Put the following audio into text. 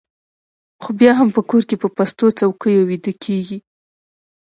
خو بیا هم په کور کې په پستو څوکیو ویده کېږي